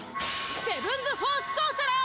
セブンズフォースソーサラー！